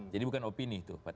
jadi bukan opini itu